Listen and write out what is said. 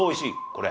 これ。